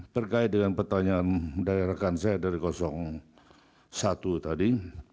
terkait dengan pertanyaan dari rekan saya dari satu tadi